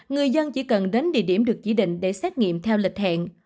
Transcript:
người dân chỉ cần đến địa điểm được chỉ định để xét nghiệm theo lịch hẹn